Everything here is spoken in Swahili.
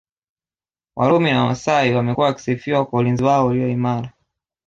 Warumi na Wamasai wamekuwa wakisifiwa kwa ulinzi wao ulio imara